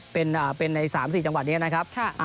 เป็นใน๓๔จังหวัดนี้นะครับ